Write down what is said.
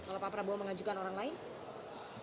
kalau pak prabowo mengajukan orang lain